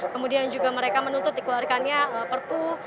kemudian juga mereka menuntut dikeluarkannya perpu